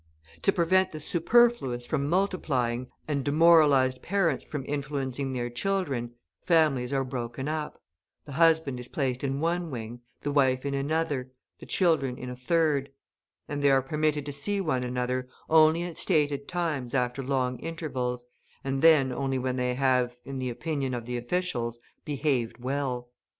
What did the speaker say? To prevent the "superfluous" from multiplying, and "demoralised" parents from influencing their children, families are broken up, the husband is placed in one wing, the wife in another, the children in a third, and they are permitted to see one another only at stated times after long intervals, and then only when they have, in the opinion of the officials, behaved well.